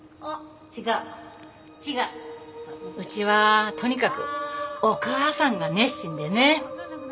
うちはとにかくお母さんが熱心でね。